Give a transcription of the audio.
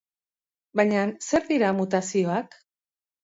Baina, zer dira mutazioak?